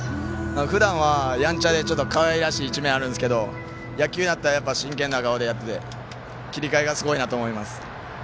ふだんは、やんちゃでかわいらしい一面あるんですけど野球になったらやっぱり真剣な顔でやってて切り替えがすごいなと思います。